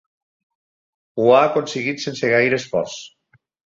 Ho ha aconseguit sense gaire esforç.